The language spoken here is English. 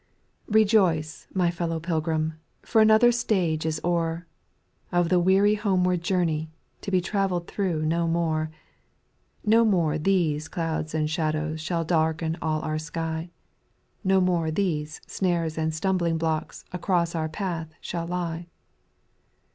1. "pEJOICE, my fellow pilgrim, for another Xi stage is o'er, Of the weary homeward journey, to be trav ell'd thro' no more : Ko more these clouds and shadows shall darken all our sky ; No more these snares and stumbling blocks across our path shall lie.